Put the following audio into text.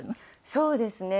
そうですね。